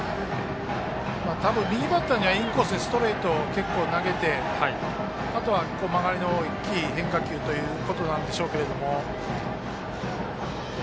多分、右バッターにはインコースにストレートを結構投げてあとは、曲がりの大きい変化球ということなんでしょうけれども。